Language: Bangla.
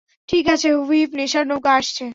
ঠিক আছে, হুইপ, নেশার নৌকা আসছে।